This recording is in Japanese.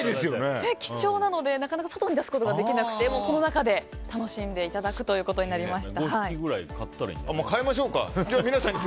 貴重なので、なかなか外に出すことができなくてこの中で楽しんでいただくということに５匹ぐらい買ったらいいのに。